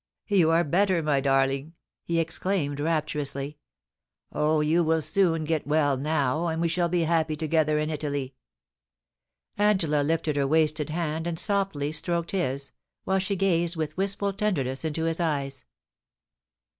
* You are better, my darling !' he exclaimed rapturously. * Oh, you will soon get well now, and we shall be happy together in Italy !' Angela liited her wasted hand and softly stroked his, while she gazed with wistful tenderness into his eyes.